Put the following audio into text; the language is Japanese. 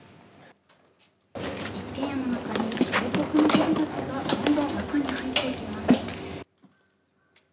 一軒家の中に、外国の方たちがどんどん中に入っていきます。